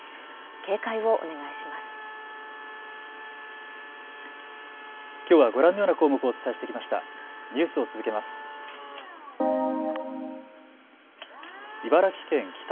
警戒をお願いします。